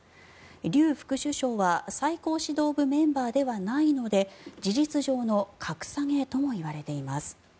リュウ副首相は最高指導部メンバーではないので事実上の格下げともいわれています。